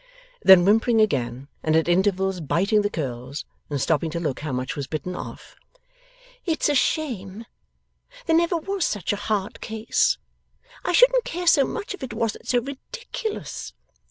Then, whimpering again, and at intervals biting the curls, and stopping to look how much was bitten off, 'It's a shame! There never was such a hard case! I shouldn't care so much if it wasn't so ridiculous.